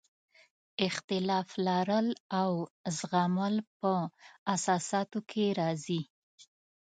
اختلاف لرل او زغمل په اساساتو کې راځي.